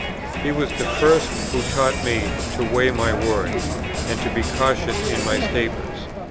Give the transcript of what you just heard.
He was the first who taught me to weigh my words, and to be cautious in my statements.